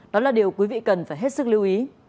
đó là điều quý vị cần phải hết sức lưu ý